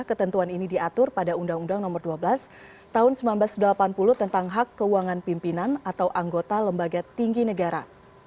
ketentuan ini diatur pada undang undang nomor dua belas tahun seribu sembilan ratus delapan puluh tentang hak keuangan pimpinan atau anggota lembaga tinggi negara